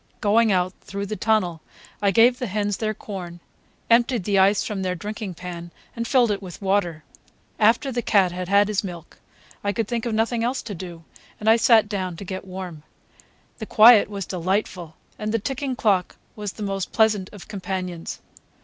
Going out through the tunnel, I gave the hens their corn, emptied the ice from their drinking pan, and filled it with water. After the cat had had his milk, I could think of nothing else to do, and I sat down to get warm. The quiet was delightful, and the ticking clock was the most pleasant of companions.